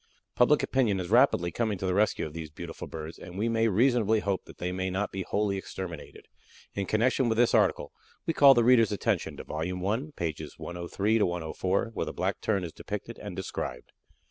Public opinion is rapidly coming to the rescue of these beautiful birds, and we may reasonably hope that they may not be wholly exterminated. In connection with this article, we call the reader's attention to Vol. I, pages 103 104, where the Black Tern is depicted and described.